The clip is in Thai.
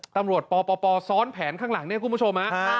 ตำรวจปปปซ้อนแผนข้างหลังเนี่ยคุณผู้ชม